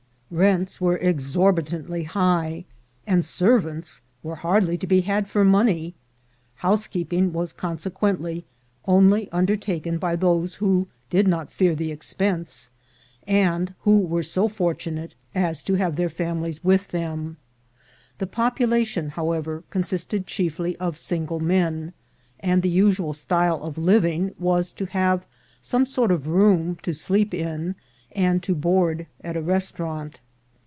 Rents were exorbitantly high, and servants were hardly to be had for money; housekeeping was con sequently only undertaken by those who did not fear the expense, and who were so fortunate as to have 56 THE GOLD HUNTERS their families with them. The population, however, consisted chiefly of single men, and the usual style of living was to have some sort of room to sleep in, and to board at a restaurant.